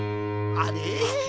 あれ？